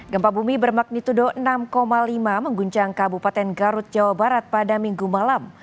gempa bumi bermagnitudo enam lima mengguncang kabupaten garut jawa barat pada minggu malam